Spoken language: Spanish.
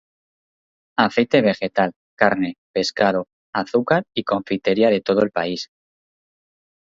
Aceite vegetal, carne, pescado, azúcar y confitería en todo el país.